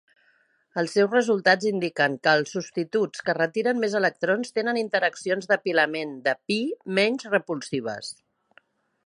Els seus resultats indiquen que els substituts que retiren més electrons tenen interaccions d'apilament de pi menys repulsives.